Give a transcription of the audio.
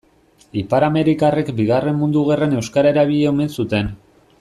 Ipar-amerikarrek Bigarren Mundu Gerran euskara erabili omen zuten.